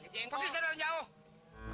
pergi ke sana jauh